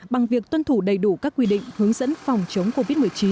bằng việc tuân thủ đầy đủ các quy định hướng dẫn phòng chống covid một mươi chín